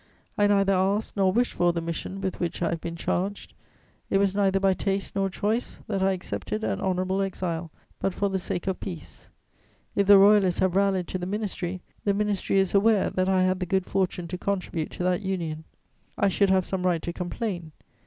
I neither asked nor wished for the mission with which I have been charged; it was neither by taste nor choice that I accepted an honourable exile, but for the sake of peace. If the Royalists have rallied to the Ministry, the Ministry is aware that I had the good fortune to contribute to that union. I should have some right to complain.